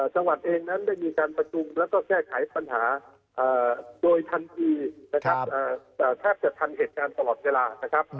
จังหวัดเองนั้นได้มีการประชุมแล้วก็แก้ไขปัญหาโดยทันทีนะครับแทบจะทันเหตุการณ์ตลอดเวลานะครับ